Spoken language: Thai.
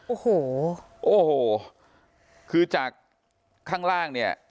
โอ้โหโอ้โหคือจากข้างล่างเนี่ย